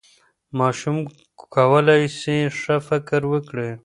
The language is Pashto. ماشوم کولی سي ښه فکر وکړي.